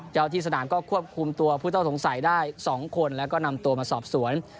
เจ้าที่สนามก็ควบคุมตัวผู้ต้องสงสัยได้๒คนแล้วก็นำตัวมาสอบสวน